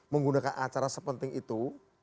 menggunakan acara sepenting itu